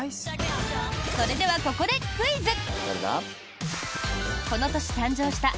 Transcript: それではここでクイズ！